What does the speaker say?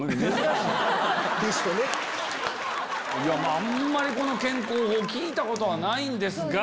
あんまりこの健康法聞いたことはないんですが。